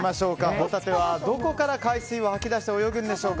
ホタテはどこから海水を吐き出して泳ぐんでしょうか。